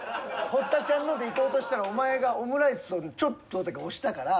堀田ちゃんのでいこうとしたらお前がオムライスをちょっと推したから。